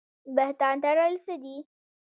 بهتان تړل څه دي؟